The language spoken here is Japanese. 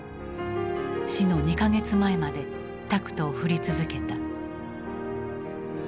死の２か月前までタクトを振り続けた。